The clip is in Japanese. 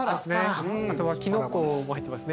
あとはキノコも入ってますね。